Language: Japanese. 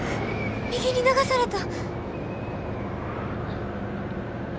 右に流された！